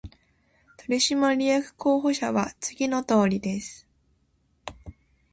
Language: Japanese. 取締役候補者は次のとおりです